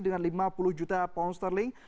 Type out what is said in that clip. dengan lima puluh juta pound sterling